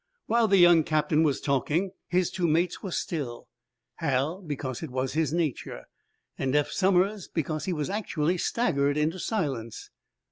While the young captain was talking his two mates were still Hal, because it was his nature, and Eph Somers because he was actually staggered into silence.